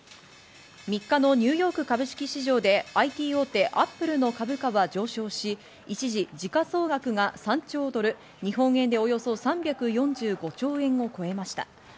３日のニューヨーク株式市場でＩＴ大手、アップルの株価は上昇し、一時、時価総額が３兆ドル、日本円でおよそ３４５兆円を超えました。